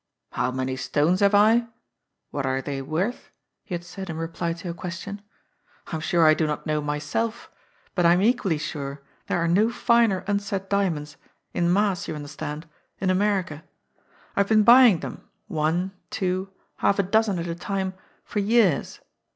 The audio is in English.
"How many stones have I ? What are they worth ?" he had said in reply to a question. "I am sure I do not know myself, but I am equally sure there are no finer unset dia monds, in mass you understand, in America. I have been buying them, one, two, half a dozen at a time, for years.